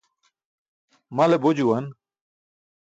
Male bo juwan.